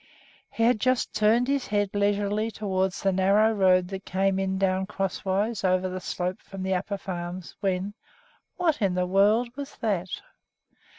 He had just turned his head leisurely toward the narrow road that came down crosswise over the slope from the Upper Farms, when what in the world was that!